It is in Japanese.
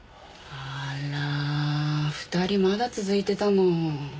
あら２人まだ続いてたの。